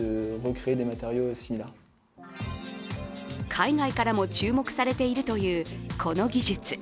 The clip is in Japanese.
海外からも注目されているという、この技術。